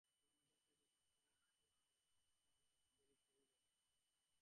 তোমাদের সকালে কাজকর্ম আছে, আমরা আর দেরি করিব না।